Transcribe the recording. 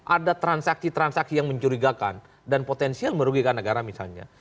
ada transaksi transaksi yang mencurigakan dan potensial merugikan negara misalnya